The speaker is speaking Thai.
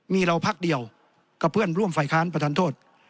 มีเราพักเดียวกับเพื่อนร่วมฝ่ายค้านประธานโทษ